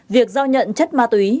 việc giao nhận chất ma túy